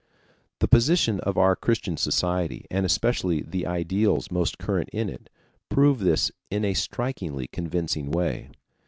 The position of our Christian society, and especially the ideals most current in it, prove this in a strikingly convincing way.